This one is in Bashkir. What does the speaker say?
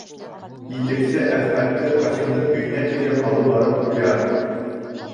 Итексе Әхмәтте Ҡасимдың өйөнә тиклем алып барып ҡуя.